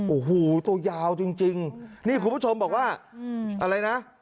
โอ้โหตัวยาวจริงนี่คุณผู้ชมบอกว่าอะไรนะ